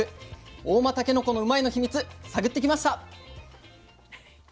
合馬たけのこのうまいッ！のヒミツ探ってきました。